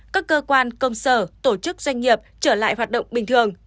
các cơ quan công sở tổ chức doanh nghiệp trở lại hoạt động bình thường